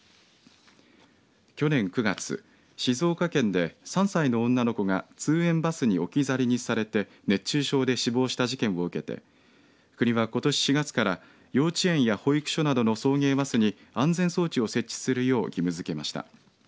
去年９月静岡県で３歳の女の子が通園バスに置き去りにされて熱中症で死亡した事件を受けて国はことし４月から幼稚園や保育所などの送迎バスに安全装置を設置するよう義務づけました。